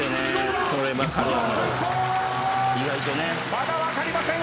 まだ分かりません。